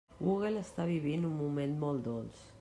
Google està vivint un moment molt dolç.